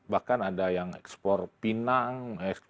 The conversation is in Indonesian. bahkan ada yang ekspor pinang